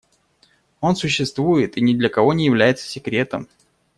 Он существует и ни для кого не является секретом.